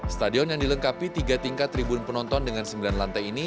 stadion yang dilengkapi tiga tingkat tribun penonton dengan sembilan lantai ini